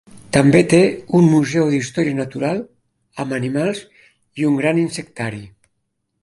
També té un museu d"història natural amb animals i un gran insectari.